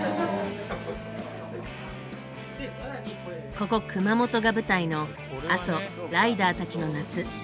ここ熊本が舞台の「阿蘇・ライダーたちの夏」。